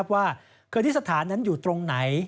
ว่าเคยที่สถานนั้นอยู่ตรงไหน